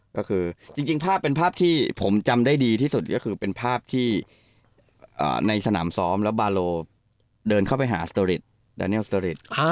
ก็คือจริงภาพเป็นภาพที่ผมจำได้ดีที่สุดก็คือเป็นภาพที่ในสนามซ้อมแล้วบาโลเดินเข้าไปหาสเตอร์ริดแดเนียลสเตอร์ริต